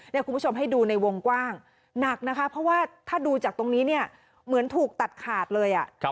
คุณผู้ชมให้ดูในวงกว้างหนักนะคะเพราะว่าถ้าดูจากตรงนี้เนี่ยเหมือนถูกตัดขาดเลย